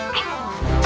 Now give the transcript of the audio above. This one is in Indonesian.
fikri dimana kamu